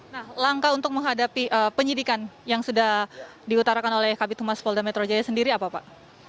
nah langkah untuk menghadapi penyidikan yang sudah diutarakan oleh kabinet humas polda metro jaya sendiri apa pak